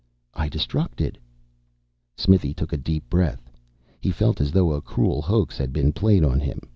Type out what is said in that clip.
"I destructed." Smithy took a deep breath. He felt as though a cruel hoax had been played on him.